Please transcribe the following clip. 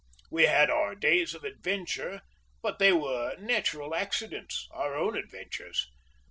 We had our days of adventure, but they were natural accidents, our own adventures.